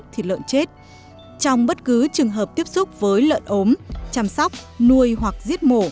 thịt lợn chết trong bất cứ trường hợp tiếp xúc với lợn ốm chăm sóc nuôi hoặc giết mổ